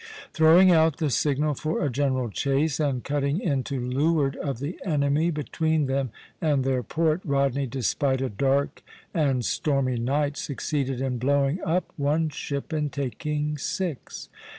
Throwing out the signal for a general chase, and cutting in to leeward of the enemy, between them and their port, Rodney, despite a dark and stormy night, succeeded in blowing up one ship and taking six.